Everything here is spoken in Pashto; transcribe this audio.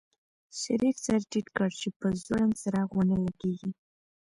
شريف سر ټيټ کړ چې په ځوړند څراغ ونه لګېږي.